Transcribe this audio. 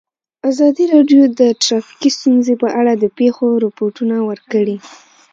ازادي راډیو د ټرافیکي ستونزې په اړه د پېښو رپوټونه ورکړي.